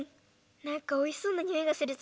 なんかおいしそうなにおいがするぞ。